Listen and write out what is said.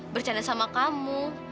bercanda sama kamu